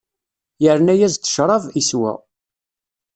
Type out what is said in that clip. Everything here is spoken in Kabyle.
Yerna-yas-d ccṛab, iswa.